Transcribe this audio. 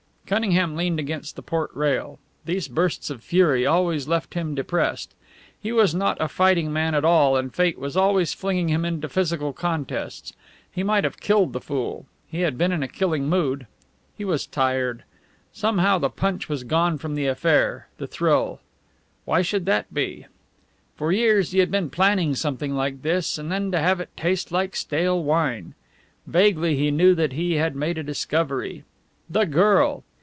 Cunningham leaned against the port rail. These bursts of fury always left him depressed. He was not a fighting man at all and fate was always flinging him into physical contests. He might have killed the fool: he had been in a killing mood. He was tired. Somehow the punch was gone from the affair, the thrill. Why should that be? For years he had been planning something like this, and then to have it taste like stale wine! Vaguely he knew that he had made a discovery. The girl!